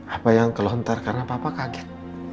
apa yang kelontar karena papa kaget